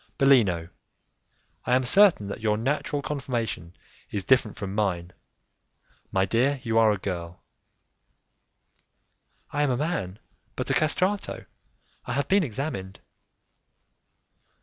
"Bellino, I am certain that your natural conformation is different from mine; my dear, you are a girl." "I am a man, but a castrato; I have been examined."